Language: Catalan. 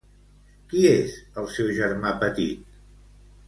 Qui és el seu germà petit?